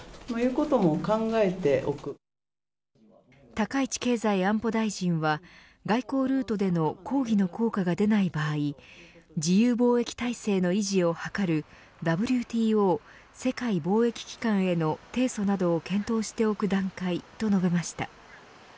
高市経済安保大臣は抗議の効果が出ない場合自由貿易体制の維持を図るＷＴＯ＝世界貿易機関への提訴などを検討しておく段階と述べました。